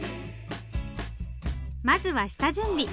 まずは下準備。